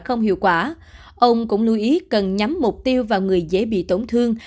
ông cũng lưu ý cần nhắm mục tiêu vào người dễ bị tổn thương